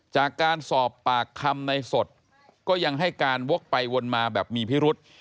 จากการสอบปากคำในสดก็ยังให้การวกไปวนมาแบบมีพิรุษ